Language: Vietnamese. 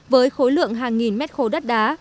với khối lượng hàng nghìn mét khối đất đá